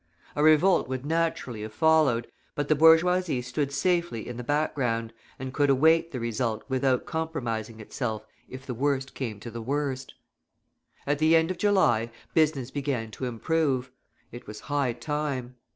A revolt would naturally have followed, but the bourgeoisie stood safely in the background and could await the result without compromising itself if the worst came to the worst. At the end of July business began to improve; it was high time.